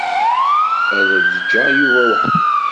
Ad d-ǧǧeɣ Yuba weḥd-s.